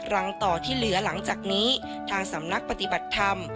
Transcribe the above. รังต่อที่เหลือหลังจากนี้ทางสำนักปฏิบัติธรรม